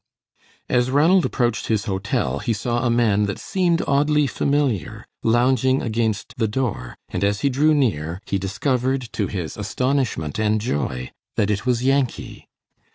As Ranald approached his hotel, he saw a man that seemed oddly familiar, lounging against the door and as he drew near, he discovered to his astonishment and joy that it was Yankee.